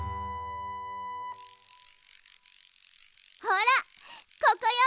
ほらここよ！